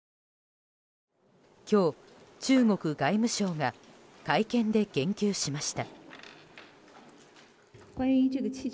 今日、中国外務省が会見で言及しました。